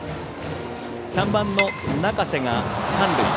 ３番の中瀬が三塁